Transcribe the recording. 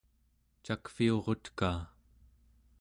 cakviurutkaa